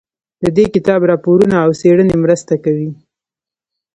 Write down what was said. د دې کتاب راپورونه او څېړنې مرسته کوي.